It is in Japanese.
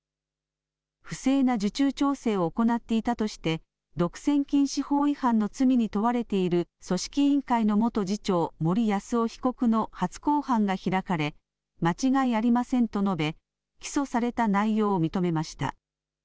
不正な受注調整を行っていたとして独占禁止法違反の罪に問われている組織委員会の元次長、森泰夫被告の初公判が開かれ間違いありませんと述べ起訴された内容を認めました。